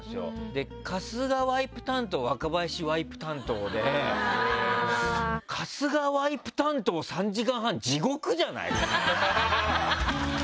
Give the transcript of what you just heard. で、春日ワイプ担当若林ワイプ担当で春日ワイプ担当３時間半、地獄じゃない？